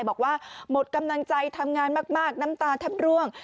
บอกว่าหมดกำลังใจทำงานมากน้ำตาแทบร่วง